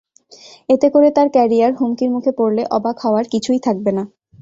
এতে করে তাঁর ক্যারিয়ার হুমকির মুখে পড়লে অবাক হওয়ার কিছুই থাকবে না।